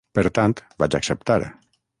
Per tant, vaig acceptar.